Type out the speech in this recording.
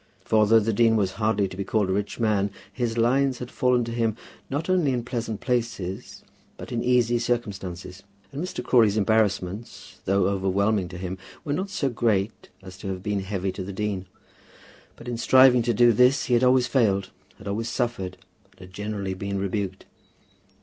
For, though the dean was hardly to be called a rich man, his lines had fallen to him not only in pleasant places, but in easy circumstances; and Mr. Crawley's embarrassments, though overwhelming to him, were not so great as to have been heavy to the dean. But in striving to do this he had always failed, had always suffered, and had generally been rebuked.